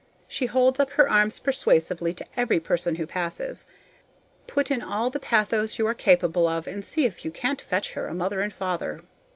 She holds up her arms persuasively to every person who passes. Put in all the pathos you are capable of, and see if you can't fetch her a mother and father.